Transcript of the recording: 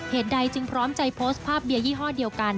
ใดจึงพร้อมใจโพสต์ภาพเบียร์ยี่ห้อเดียวกัน